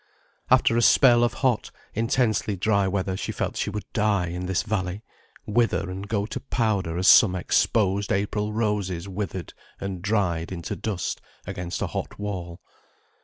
After a spell of hot, intensely dry weather she felt she would die in this valley, wither and go to powder as some exposed April roses withered and dried into dust against a hot wall.